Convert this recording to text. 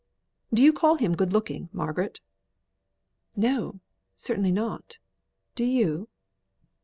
Do you call him good looking, Margaret?" "No! certainly not. Do you?"